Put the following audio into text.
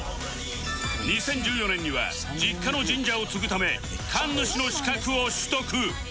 ２０１４年には実家の神社を継ぐため神主の資格を取得